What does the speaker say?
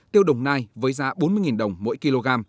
tiêu đồng nai với giá bốn mươi đồng mỗi kg